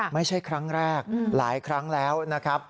ไม่ใช่ครั้งแรกหลายครั้งแล้วนะครับ